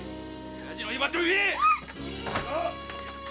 親父の居場所を言え！